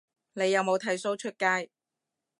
你有冇剃鬚出街